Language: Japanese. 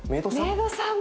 メイドさん？